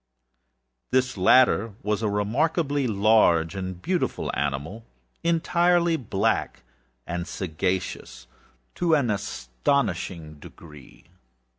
This latter was a remarkably large and beautiful animal, entirely black, and sagacious to an astonishing degree.